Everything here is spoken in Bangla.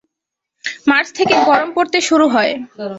মার্চ থেকে গরম পড়তে শুরু হয়।